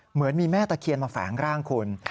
เหมือนมีแม่ตะเคียนมาแฝงร่างคุณ